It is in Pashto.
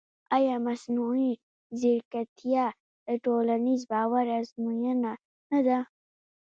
ایا مصنوعي ځیرکتیا د ټولنیز باور ازموینه نه ده؟